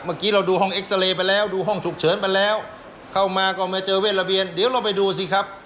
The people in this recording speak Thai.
เมื่อกี้เราดูห้องเอ็กซาเรย์ไปแล้วดูห้องฉุกเฉินไปแล้วเข้ามาก็มาเจอเวทระเบียนเดี๋ยวเราไปดูสิครับ